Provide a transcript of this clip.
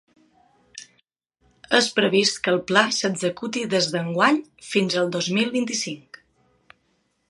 És previst que el pla s’executi des d’enguany fins el dos mil vint-i-cinc.